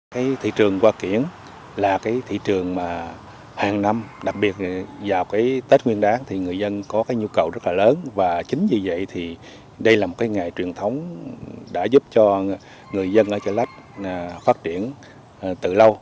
cái thị trường hoa kiển là cái thị trường mà hàng năm đặc biệt là vào cái tết nguyên đáng thì người dân có cái nhu cầu rất là lớn và chính vì vậy thì đây là một cái nghề truyền thống đã giúp cho người dân ở chợ lách phát triển từ lâu